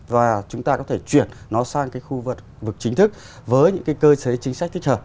và chúng ta có thể chuyển nó sang cái khu vực chính thức với những cái cơ chế chính sách thích hợp